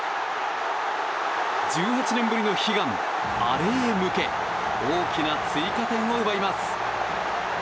１８年ぶりの悲願、アレへ向け大きな追加点を奪います。